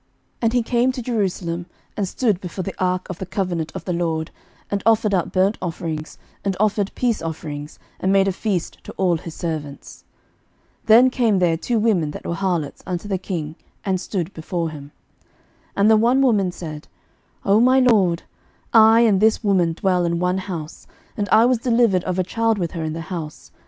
And he came to Jerusalem, and stood before the ark of the covenant of the LORD, and offered up burnt offerings, and offered peace offerings, and made a feast to all his servants. 11:003:016 Then came there two women, that were harlots, unto the king, and stood before him. 11:003:017 And the one woman said, O my lord, I and this woman dwell in one house; and I was delivered of a child with her in the house.